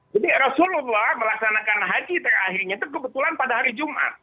jadi rasulullah melaksanakan haji terakhirnya itu kebetulan pada hari jumat